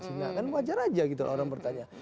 cina kan wajar saja gitu orang bertanya